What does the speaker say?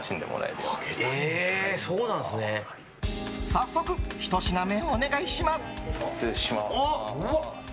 早速ひと品目、お願いします！